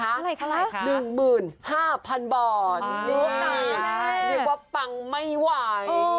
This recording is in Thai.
เท่าไหร่ค่ะ๑หมื่น๕พันบอลนี่เลยค่ะเรียกว่าปังไม่ไหว